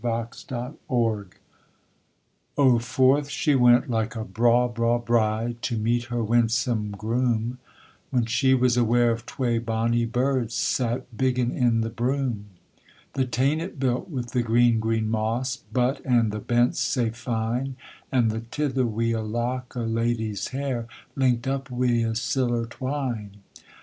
SCOTCH SONG Oh, forth she went like a braw, braw bride To meet her winsome groom, When she was aware of twa bonny birds Sat biggin' in the broom. The tane it built with the green, green moss, But and the bents sae fine, And the tither wi' a lock o' lady's hair Linked up wi' siller twine.